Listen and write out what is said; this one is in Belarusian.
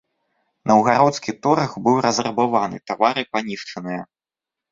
Наўгародскі торг быў разрабаваны, тавары панішчаныя.